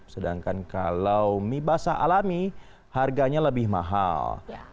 sedangkan kalau mie basah alami harganya lebih mahal